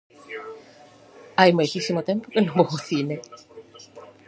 Hai moitísimo tempo que non vou ó cine.